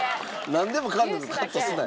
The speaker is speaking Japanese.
なんでもかんでもカットするなよ。